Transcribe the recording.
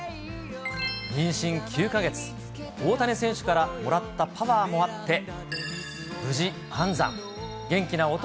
妊娠９か月、大谷選手からもらったパワーもあって、無事安産。